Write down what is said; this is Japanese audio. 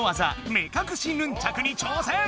目かくしヌンチャクに挑戦！